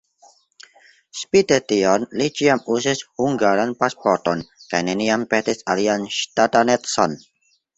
Spite tion li ĉiam uzis hungaran pasporton kaj neniam petis alian ŝtatanecon.